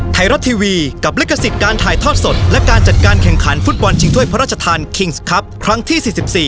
ไทยรัฐทีวีกับลิขสิทธิ์การถ่ายทอดสดและการจัดการแข่งขันฟุตบอลชิงถ้วยพระราชทานคิงส์ครับครั้งที่๔๔